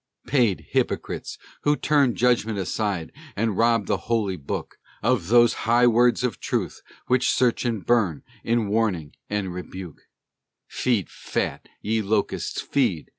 Paid hypocrites, who turn Judgment aside, and rob the Holy Book Of those high words of truth which search and burn In warning and rebuke; Feed fat, ye locusts, feed!